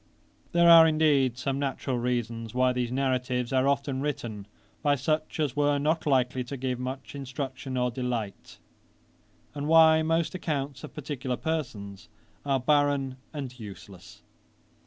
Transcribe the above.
] 'There are indeed, some natural reasons why these narratives are often written by such as were not likely to give much instruction or delight, and why most accounts of particular persons are barren and useless.